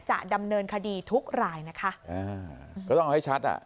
จะดำเนินคดีทุกรายนะคะอ่าก็ต้องเอาให้ชัดอ่ะ